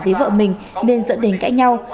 với vợ mình nên dẫn đến cãi nhau